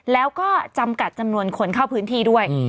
แล้วก็จำกัดจำนวนคนเข้าพื้นที่ด้วย